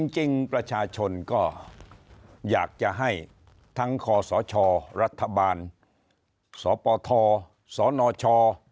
จริงประชาชนก็อยากจะให้ทั้งคศรัฐบาลสปทสนช